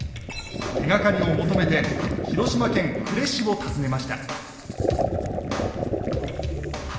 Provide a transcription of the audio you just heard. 手がかりを求めて広島県呉市を訪ねました。